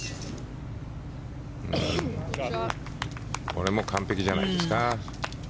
これも完璧じゃないですか。